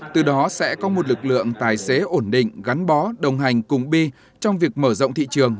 từ đó sẽ có một lực lượng tài xế ổn định gắn bó đồng hành cùng bi trong việc mở rộng thị trường